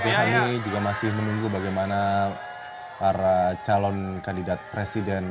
oke kami juga masih menunggu bagaimana para calon kandidat presiden